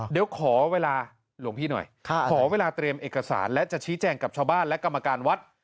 เดี๋ยวขอเวลาหลวงพี่หน่อยขอเวลาเตรียมเอกสารและจะชี้แจงกับชาวบ้านและกรรมการวัด